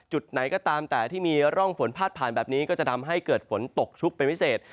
จุดไหนก็ตามแต่ที่มีร่องฝนพาดผ่านแบบนี้ก็จะทำให้เกิดฝนตกชุกเป็นพิเศษ